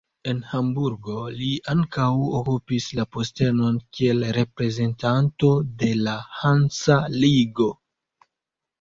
En Hamburgo li ankaŭ okupis la postenon kiel reprezentanto de la Hansa ligo.